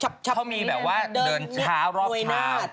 เขามีแบบว่าเดินช้ารอบคราว